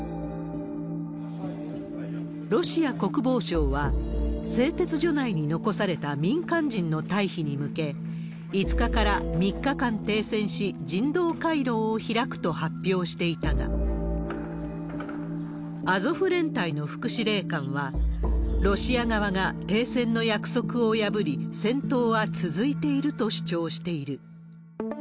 ロシア国防省は、製鉄所内に残された民間人の退避に向け、５日から、３日間停戦し、人道回廊を開くと発表していたが、アゾフ連隊の副司令官は、ロシア側が停戦の約束を破り、戦闘は続いていると主張している。